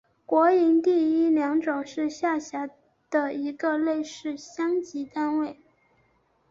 国营第一良种是下辖的一个类似乡级单位。